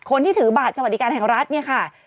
ถือบัตรสวัสดิการแห่งรัฐเนี่ยค่ะ